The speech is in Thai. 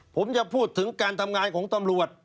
ผมจะพูดถึงการทำงานของตำรวจ